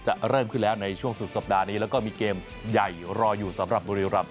เริ่มขึ้นแล้วในช่วงสุดสัปดาห์นี้แล้วก็มีเกมใหญ่รออยู่สำหรับบุรีรำ